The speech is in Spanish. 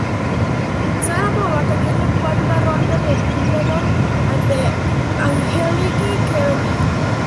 Sharápova cayó en la cuarta ronda en Wimbledon ante Angelique Kerber.